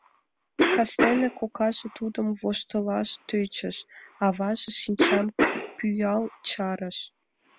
Кастене кокаже тудым воштылаш тӧчыш, аваже шинчам пӱял чарыш.